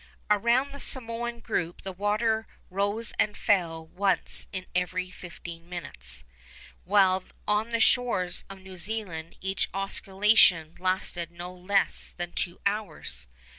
Around the Samoan group the water rose and fell once in every fifteen minutes, while on the shores of New Zealand each oscillation lasted no less than two hours.